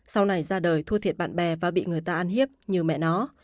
sau này ra đời thua thiệt bạn bè và bị người ta an hiếp như mẹ nó